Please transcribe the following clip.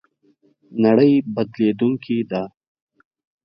نړۍ بدلېدونکې ده